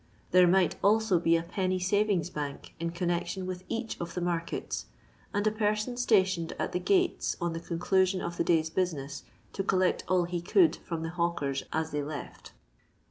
There might also be a penny savings' bank in connection with each of the mar kets, and a person stationed at the gates on the conclusion of the day's business, to collect all he could from the hawkers as they left.